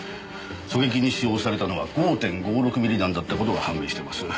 狙撃に使用されたのは５．５６ミリ弾だった事が判明してます。